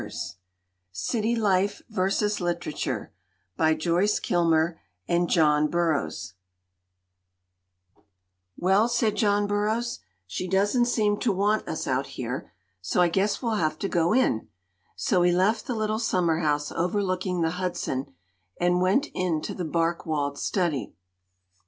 14 CITY LIFE VERSUS LITERATURE JOHN BURROUGHS CITY LIFE VERSUS LITERATURE JOHN BURROUGHS " 1 T[ 7ELL," said John Burroughs, "she doesn't V V seem to want us out here, so I guess we'll have to go in. " So we left the little summer house overlooking the Hudson and went into the bark walled study.